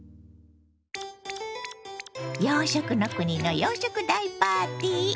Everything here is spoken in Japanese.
洋食の国の洋食大パーティー